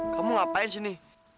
kamu ngapain di sini